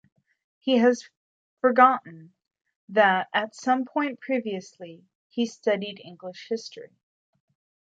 He has forgotten that at some point previously, he studied English history.